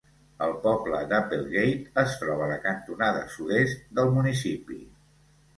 El poble d'Applegate es troba a la cantonada sud-est del municipi.